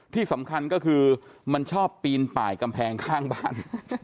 ที่สำคัญก็คือมันชอบปีนป่ายกำแพงข้างบ้าน